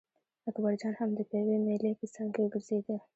اکبرجان هم د پېوې مېلې په څنګ کې ګرځېده.